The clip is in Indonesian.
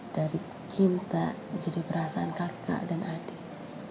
dari cinta jadi perasaan kakak dan adik